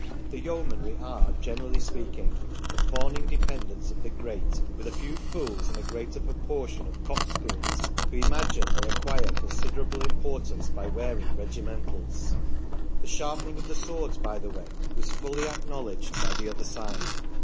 ... The yeomanry are, generally speaking, the fawning dependents of the great, with a few fools and a greater pro portion of coxcombs, who imagine they acquire ^considerable impor tance by wearing regimentals/* The sharpening of the swords, by the way, was fully acknowledged by the other side.